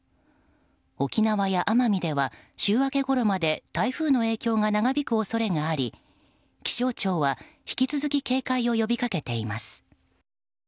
沖縄や奄美では週明けごろまで台風の影響が長引く恐れがあり気象庁は、引き続き警戒を呼びかけています。